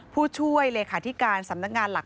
พบหน้าลูกแบบเป็นร่างไร้วิญญาณ